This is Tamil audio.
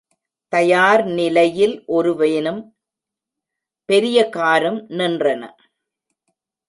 தயார் நிலையில் ஒரு வேனும், பெரிய காரும் நின் றன.